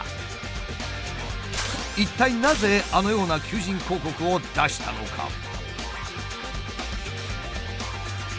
一体なぜあのような求人広告を出したのか？